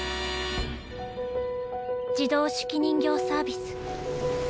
「自動手記人形サービス」